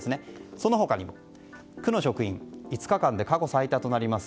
その他に、区の職員５日間で過去最多となります